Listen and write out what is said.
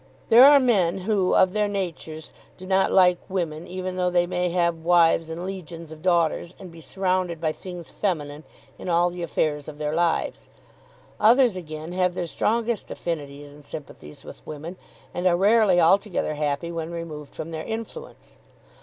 There are men who, of their natures, do not like women, even though they may have wives and legions of daughters, and be surrounded by things feminine in all the affairs of their lives. Others again have their strongest affinities and sympathies with women, and are rarely altogether happy when removed from their influence.